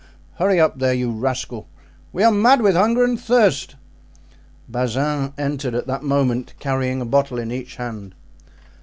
Hurry up there, you rascal; we are mad with hunger and thirst!" Bazin entered at that moment carrying a bottle in each hand.